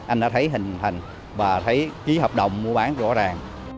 anh đã thấy hình thành và thấy ký hợp đồng mua bán rõ ràng